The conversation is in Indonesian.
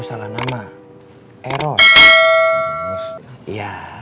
saat kabarnya ber kindness